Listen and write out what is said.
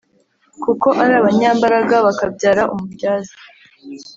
Kuko ari abanyambaraga bakabyara umubyaza